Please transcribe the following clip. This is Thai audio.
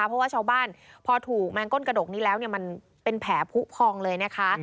เพราะว่าชาวบ้านพอถูกแมงก้นกระดกนี้แล้วมันเป็นแผลผู้พองเลยนะคะ